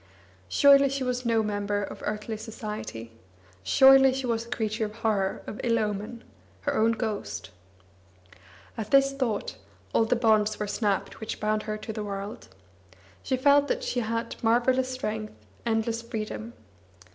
Surely she was no member of earthly society! Surely she was a creature of horror, of ill omen, her own ghost! At this thought, all the bonds were snapped which bound her to the world. She felt that she had marvellous strength, endless freedom.